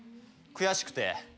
悔しくて。